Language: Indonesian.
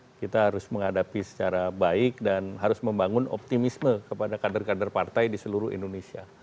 dan akhir akhir kita harus menghadapi secara baik dan harus membangun optimisme kepada kader kader partai di seluruh indonesia